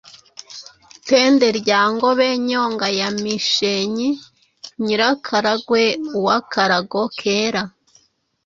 Tende rya Ngobe, Nyonga ya Mishenyi, Nyirakaragwe uw’akarago kera,